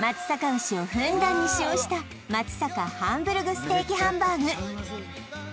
牛をふんだんに使用した松阪ハンブルグステーキハンバーグ